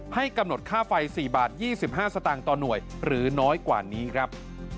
ให้กำหนดค่าไฟ๔บาท๒๕สตางค์ต่อหน่วยหรือน้อยกว่านี้ครับ